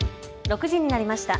６時になりました。